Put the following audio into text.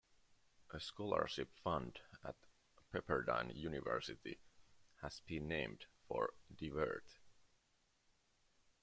A scholarship fund at Pepperdine University has been named for DeWert.